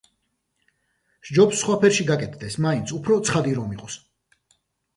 ჯობს სხვა ფერში გაკეთდეს მაინც უფრო ცხადი რომ იყოს.